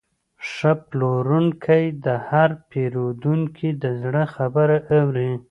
ښه پلورونکی د هر پیرودونکي د زړه خبره اوري.